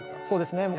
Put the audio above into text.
そうですね。